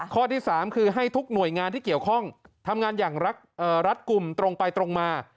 ข้อที่๓คือให้ทุกหน่วยงานที่เกี่ยวข้องทำงานอย่างรัดกลุ่มตรงไปตรงมา